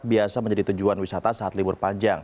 biasa menjadi tujuan wisata saat libur panjang